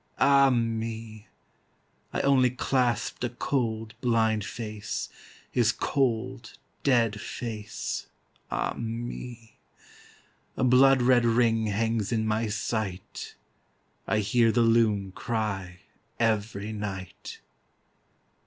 Ah me!I only clasped a cold, blind face, His cold, dead face. Ah me!A blood red ring hangs in my sight,I hear the Loon cry every night.